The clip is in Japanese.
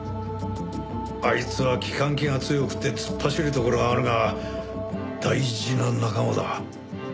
あいつは利かん気が強くて突っ走るところがあるが大事な仲間だ。